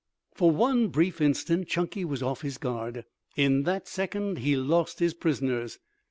For one brief instant Chunky was off his guard. In that second he lost his prisoners.